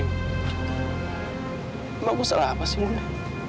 emang aku salah apa sih budde